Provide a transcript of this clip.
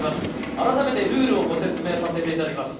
改めてルールをご説明させていただきます。